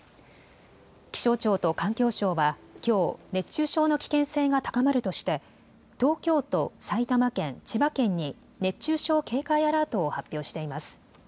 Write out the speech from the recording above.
気象庁と環境省はきょう熱中症の危険性が高まるとして東京都、埼玉県、千葉県に熱中症警戒アラートを発表しています。